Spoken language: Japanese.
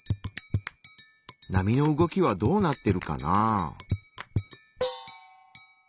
波の動きはどうなってるかな？